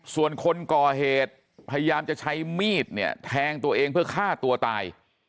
ส่วนคนก่อเหตุพยายามจะใช้มีดเนี่ยแทงตัวเองเพื่อฆ่าตัวตาย